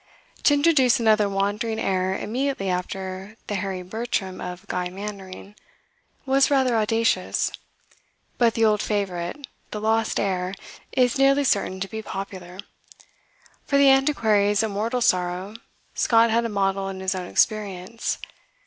To introduce another Wandering Heir immediately after the Harry Bertram of "Guy Mannering" was rather audacious. But that old favourite, the Lost Heir, is nearly certain to be popular. For the Antiquary's immortal sorrow Scott had a model in his own experience.